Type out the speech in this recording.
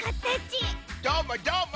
どーもどーも！